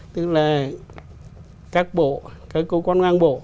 tức là các bộ các cơ quan ngang bộ